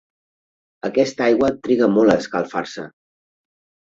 Aquesta aigua triga molt a escalfar-se.